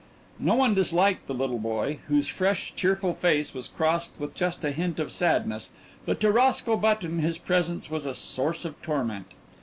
No one disliked the little boy whose fresh, cheerful face was crossed with just a hint of sadness, but to Roscoe Button his presence was a source of torment.